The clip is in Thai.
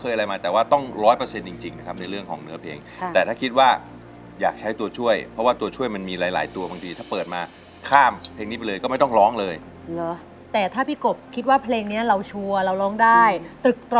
อเรนนี่มันดีค่ะเพราะว่าทางเรามึ่นตึ๊บเลยค่ะเพราะว่าทางเรามึ่นตึ๊บเลยค่ะเพราะว่าทางเรามึ่นตึ๊บเลยค่ะเพราะว่าทางเรามึ่นตึ๊บเลยค่ะเพราะว่าทางเรามึ่นตึ๊บเลยค่ะเพราะว่าทางเรามึ่นตึ๊บเลยค่ะเพราะว่าทางเรามึ่นตึ๊บเลยค่ะเพราะว่าทางเรามึนตึ๊บเลยค่ะเพราะว่าทางเรามึนตึ๊บเลยค่ะเพร